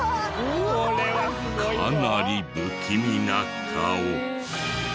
かなり不気味な顔。